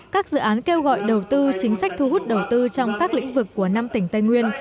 các dự án kêu gọi đầu tư chính sách thu hút đầu tư trong các lĩnh vực của năm tỉnh tây nguyên